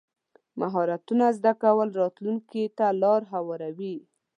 مهارتونه زده کول راتلونکي ته لار هواروي.